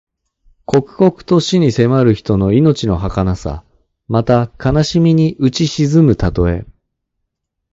刻々と死に迫る人の命のはかなさ。また、悲しみにうち沈むたとえ。